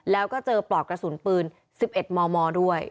แล้วก็เจอปลอกกระสุนปืน๑๑มมด้วย